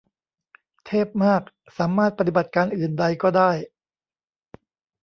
เทพมาก สามารถ "ปฏิบัติการอื่นใด" ก็ได้